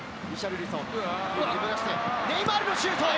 ネイマールのシュート！